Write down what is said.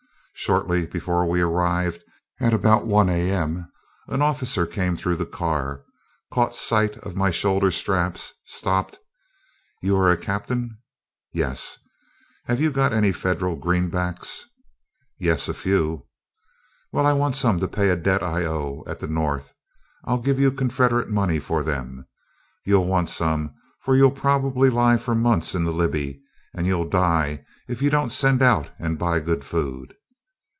Shortly before we arrived, at about 1 A.M., an officer came through the car, caught sight of my shoulder straps, stopped: "You are a captain?" "Yes." "Have you got any federal greenbacks?" "Yes, a few." "Well, I want some to pay a debt I owe at the North, and I'll give you Confederate money for them. You'll want some, for you'll probably lie for months in the Libby, and you'll die if you don't send out and buy good food."